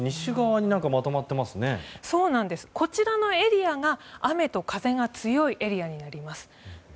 こちらのエリアが雨と風が強いエリアになります。